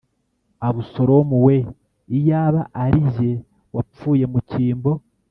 Abusalomu we iyaba ari jye wapfuye mu cyimbo